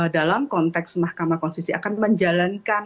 dalam konteks mahkamah konstitusi akan menjalankan